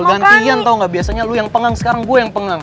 gak gantian tau gak biasanya lo yang pengang sekarang gue yang pengang